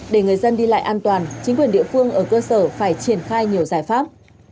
để người dân đi lại an toàn chính quyền địa phương ở cơ sở phải triển khai nhiều giải pháp